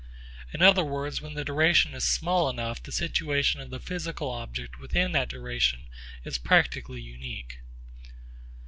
In other words, when the duration is small enough, the situation of the physical object within that duration is practically unique.